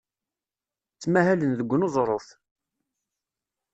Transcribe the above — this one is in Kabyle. Ttmahalen deg uneẓruf.